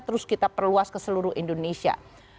terus kita perluas ke seluruh indonesia